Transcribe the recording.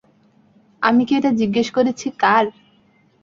আমি কি এটা জিজ্ঞেস করেছি, কার?